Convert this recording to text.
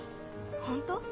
ホント？